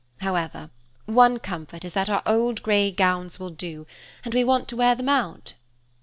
However, one comfort is that our old grey gowns will do, and we want to wear them out."